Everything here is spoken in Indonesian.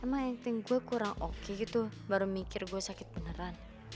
emang yang gue kurang oke gitu baru mikir gue sakit beneran